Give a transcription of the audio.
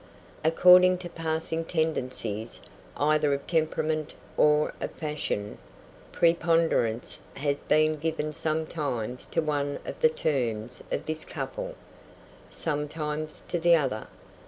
According to passing tendencies, either of temperament or of fashion, preponderance has been given sometimes to one of the terms of this couple, sometimes to the other.